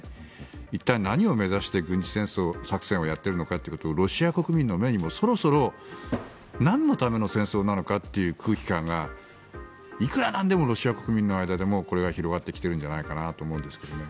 一体何を目指して軍事作戦をやっているのかロシア国民の目にもそろそろなんのための戦争なのかという空気感がいくらなんでもロシア国民の間でも広がってきてるんじゃないかなと思うんですけどね。